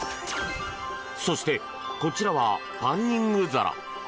そして、こちらはパンニング皿。